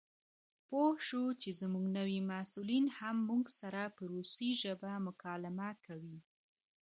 پوه شوو چې زموږ نوي مسؤلین هم موږ سره په روسي ژبه مکالمه کوي.